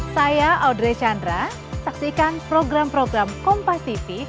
saya audrey chandra saksikan program program kompativity